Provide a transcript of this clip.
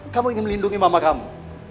kamu ingin melindungi mama kamu